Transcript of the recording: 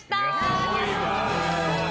すごいわ。